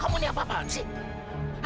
kamu ini apa apaan sih